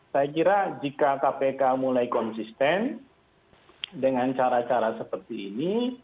saya kira jika kpk mulai konsisten dengan cara cara seperti ini